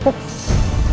aku rupakan aku sama dia